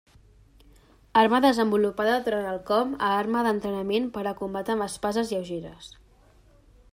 Arma desenvolupada durant el com a arma d'entrenament per a combat amb espases lleugeres.